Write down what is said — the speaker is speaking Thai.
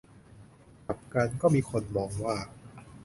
กลับกัน ก็มีคนมองว่า